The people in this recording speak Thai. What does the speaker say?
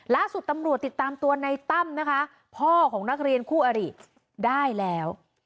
ล่าสุดตำรวจติดตามตัวในตั้มนะคะพ่อของนักเรียนคู่อริได้แล้ว